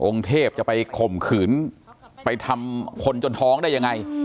เทพจะไปข่มขืนไปทำคนจนท้องได้ยังไง